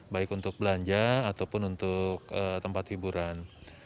baik untuk belanja ataupun untuk tempat hiburan